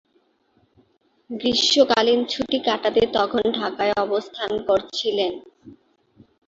গ্রীষ্মকালীন ছুটি কাটাতে তখন ঢাকায় অবস্থান করছিলেন।